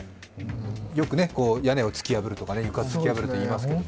よく屋根を突き破るとか床を突き破るとかいいますけど。